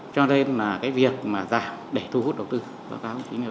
cho nên là cái việc mà giảm để thu hút đầu tư